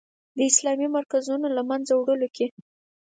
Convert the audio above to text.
د اسلامي مرکزونو له منځه وړلو کې.